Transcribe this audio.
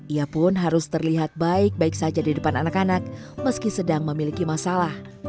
ia pun harus terlihat baik baik saja di depan anak anak meski sedang memiliki masalah